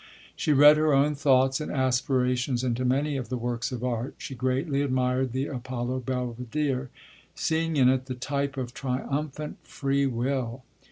She read her own thoughts and aspirations into many of the works of art. She greatly admired the Apollo Belvedere, seeing in it the type of triumphant Free Will.